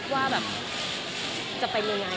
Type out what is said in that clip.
ว่าแบบจะเป็นยังไง